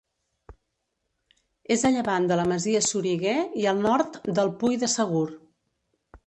És a llevant de la Masia Soriguer i al nord del Pui de Segur.